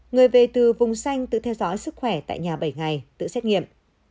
người về từ vùng xanh tự theo dõi sức khỏe tại nhà bảy ngày tự xét nghiệm